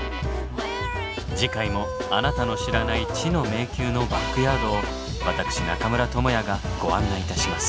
次回もあなたの知らない知の迷宮のバックヤードを私中村倫也がご案内いたします。